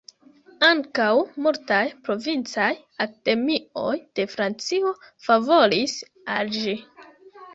Ankaŭ multaj provincaj akademioj de Francio favoris al ĝi.